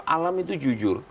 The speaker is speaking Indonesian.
alam itu jujur